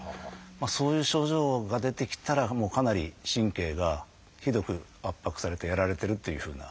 そういう症状が出てきたらもうかなり神経がひどく圧迫されてやられてるっていうふうな。